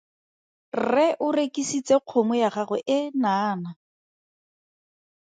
Rre o rekisitse kgomo ya gagwe e naana.